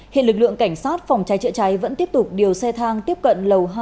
hiện lực lượng cảnh sát phòng cháy chữa cháy vẫn tiếp tục điều xe thang tiếp cận lầu hai